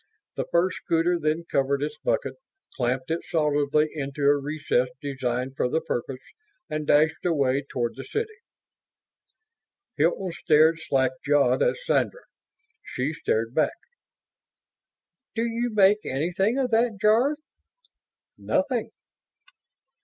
The first scooter then covered its bucket, clamped it solidly into a recess designed for the purpose and dashed away toward the city. Hilton stared slack jawed at Sandra. She stared back. "Do you make anything of that, Jarve?" "Nothing.